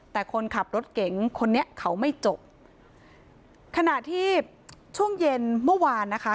แต่คนขับรถเก๋งคนนี้เขาไม่จบขณะที่ช่วงเย็นเมื่อวานนะคะ